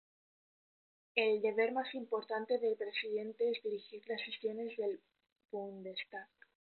El deber más importante del presidente es dirigir las sesiones del Bundestag.